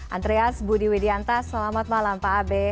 andreas budi widianta selamat malam pak abe